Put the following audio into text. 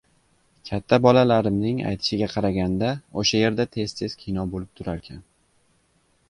Katta bolalaming aytishiga qaraganda, o‘sha yerda tez-tez kino bo‘lib turarkan.